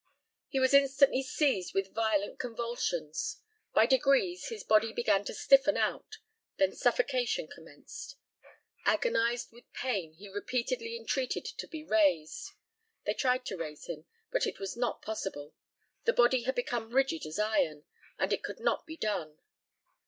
He was instantly seized with violent convulsions; by degrees his body began to stiffen out; then suffocation commenced. Agonised with pain, he repeatedly entreated to be raised. They tried to raise him, but it was not possible. The body had become rigid as iron, and it could not be done.